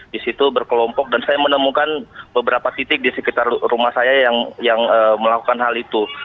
di situ berkelompok dan saya menemukan beberapa titik di sekitar rumah saya yang melakukan hal itu